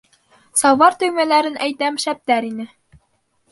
— Салбар төймәләрен әйтәм, шәптәр ине.